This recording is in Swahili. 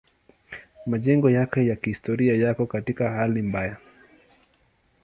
Majengo yake ya kihistoria yako katika hali mbaya.